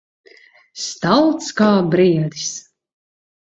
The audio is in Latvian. Stalts kā briedis.